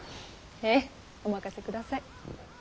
へぇお任せください。